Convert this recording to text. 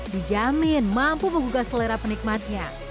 dijamin mampu menggugah selera penikmatnya